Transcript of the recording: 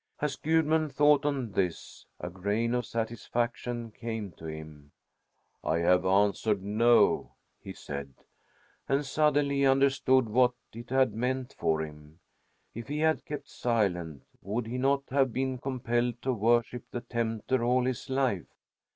As Gudmund thought on this, a grain of satisfaction came to him. "I have answered no," he said, and suddenly he understood what it had meant for him. If he had kept silent, would he not have been compelled to worship the tempter all his life?